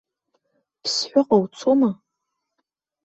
Ԥсҳәыҟа уцома?